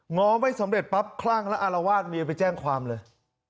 ้อมไว้สำเร็จปั๊บคลั่งแล้วอารวาสเมียไปแจ้งความเลย